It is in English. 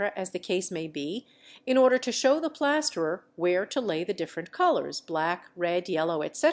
as the case may be, in order to show the plasterer where to lay the different colours Black, Red, Yellow, etc.